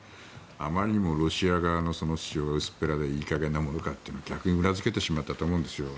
あまりにもロシア側の主張が薄っぺらでいい加減なものかというのを逆に裏付けてしまったと思うんですよ。